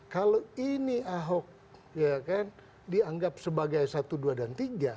kalau ini ahok dianggap sebagai satu dua dan tiga